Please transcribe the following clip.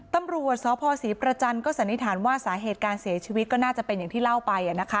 ตำรวจสพศรีประจันทร์ก็สันนิษฐานว่าสาเหตุการเสียชีวิตก็น่าจะเป็นอย่างที่เล่าไป